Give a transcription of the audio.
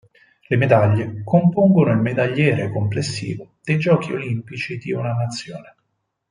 Le medaglie compongono il medagliere complessivo dei Giochi olimpici di una nazione.